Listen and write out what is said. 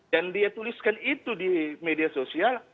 dan dia tuliskan itu di media sosial